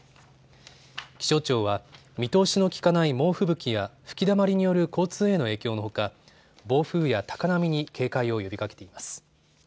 気象庁は、見通しの利かない猛吹雪や、吹きだまりによる交通への影響のほか暴風や高波に警戒を呼びかけています。